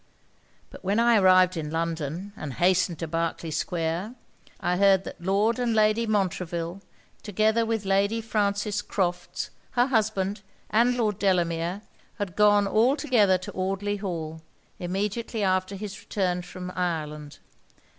But when I arrived in London, and hastened to Berkley Square, I heard that Lord and Lady Montreville, together with Lady Frances Crofts, her husband, and Lord Delamere, had gone all together to Audley Hall, immediately after his return from Ireland.